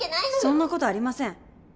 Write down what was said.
そんなことありません。